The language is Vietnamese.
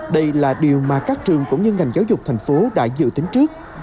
đây là điều mà các trường cũng như ngành giáo dục thành phố đã dự tính trước